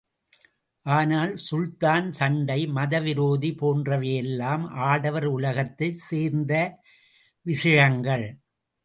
ஆனால், சுல்தான், சண்டை, மத விரோதி போன்றவையெல்லாம் ஆடவர் உலகத்தைச் சேர்ந்த விஷயங்கள்.